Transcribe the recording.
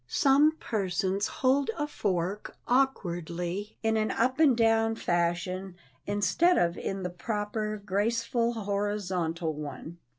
Some persons hold a fork awkwardly in an up and down fashion instead of in the proper graceful horizontal one.